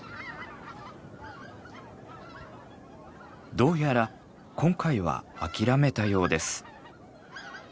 どうやら今回は諦めたようです。